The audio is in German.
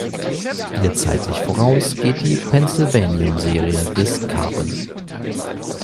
Ihr zeitlich voraus geht die Pennsylvanium-Serie des Karbon.